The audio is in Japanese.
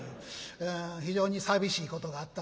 非常に寂しいことがあったんですが。